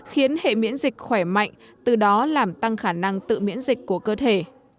khiến hệ miễn dịch khỏe mạnh từ đó làm tăng khả năng tự miễn dịch của cơ thể